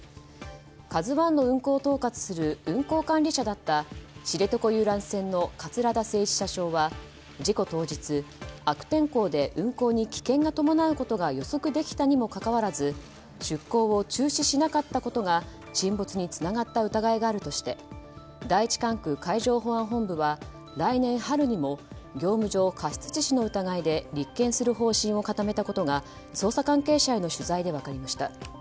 「ＫＡＺＵ１」の運航を統括する運航管理者だった知床遊覧船の桂田精一社長は事故当日、悪天候で運航に危険が伴うことが予測できたにもかかわらず出航を中止しなかったことが沈没につながった疑いがあるとして第１管区海上保安本部は来年春にも業務上過失致死の疑いで立件する方針を固めたことが捜査関係者への取材で分かりました。